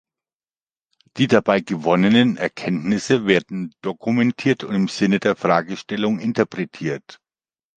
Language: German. Die dabei gewonnenen Erkenntnisse werden dokumentiert und im Sinne der Fragestellung interpretiert.